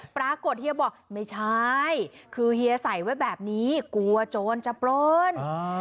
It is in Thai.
เฮียบอกไม่ใช่คือเฮียใส่ไว้แบบนี้กลัวโจรจะปล้น